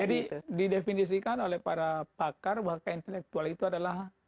jadi didefinisikan oleh para pakar bahwa ke intelektual itu adalah